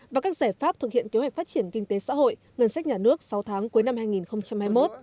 và các giải pháp thực hiện kế hoạch phát triển kinh tế xã hội ngân sách nhà nước sáu tháng cuối năm hai nghìn hai mươi một